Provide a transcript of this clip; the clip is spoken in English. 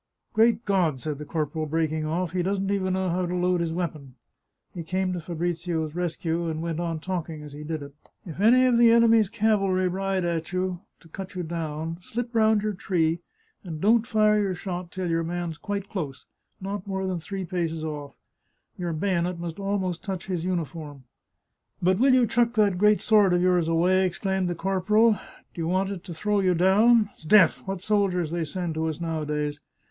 " Great God !" said the corporal, breaking off, " he doesn't even know how to load his weapon !" He came to Fabrizio's rescue, and went on talking as he did it. " If 54 The Chartreuse of Parma any of the enemy's cavalry ride at you to cut you down, slip round your tree, and don't fire your shot till your man's quite close — not more than three paces off; your bayonet must almost touch his uniform. But will you chuck that great sword of yours away ?" exclaimed the corporal. " Do you want it to throw you down? 'Sdeath, what soldiers they send us nowadays